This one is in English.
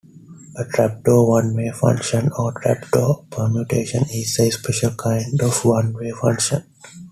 A trapdoor one-way function or trapdoor permutation is a special kind of one-way function.